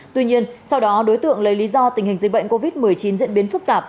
tuy nhiên sau đó đối tượng lấy lý do tình hình dịch bệnh covid một mươi chín diễn biến phức tạp